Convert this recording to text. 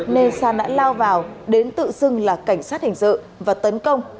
nên san đã lao vào đến tự xưng là cảnh sát hình sự và tấn công